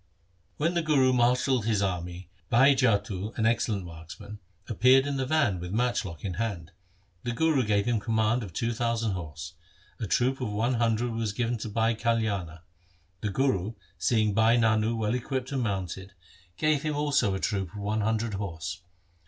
When the Guru marshalled his army Bhai Jattu, an excellent marksman, appeared in the van with matchlock in hand. The Guru gave him command of two thousand horse. A troop of one hundred was given Bhai Kalyana. The Guru, seeing Bhai Nano well equipped and mounted, gave him also io8 THE SIKH RELIGION a troop of one hundred horse.